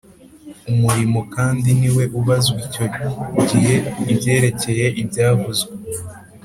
umurimo kandi niwe ubazwa icyo gihe ibyerekeye ibyavuzwe